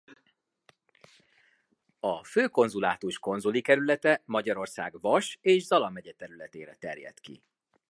A főkonzulátus konzuli kerülete Magyarország Vas és Zala megye területére terjed ki.